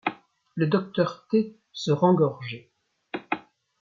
Le docteur T. .. se rengorgeait.